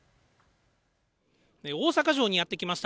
大阪城にやって来ました。